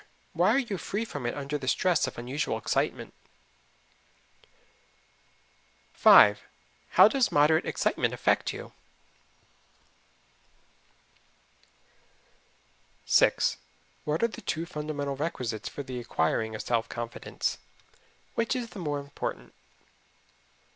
Why are you free from it under the stress of unusual excitement? 5. How does moderate excitement affect you? 6. What are the two fundamental requisites for the acquiring of self confidence? Which is the more important?